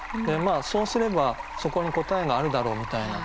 そうすればそこに答えがあるだろうみたいな。